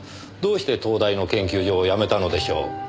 どうして東大の研究所を辞めたのでしょう？